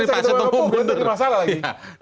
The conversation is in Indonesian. tapi itu kalau bisa di wmu benar masalah lagi